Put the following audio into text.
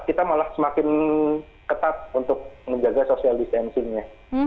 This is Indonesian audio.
kita malah semakin ketat untuk menjaga social distancingnya